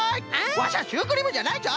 ワシャシュークリームじゃないぞ！